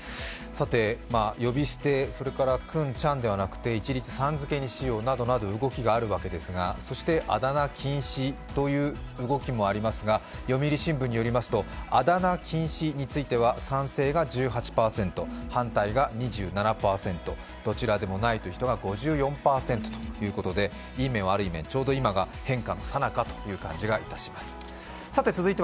呼び捨て、それから君、ちゃんではなくて一律さん付けにしようなどということですが、そしてあだ名禁止という動きもありますが、読売新聞によりますとあだ名禁止については賛成が１８％、反対が２７％、どちらでもないという人が５４％ということで、いい面、悪い面、ちょうど今が変化のさなかという感じがいたします。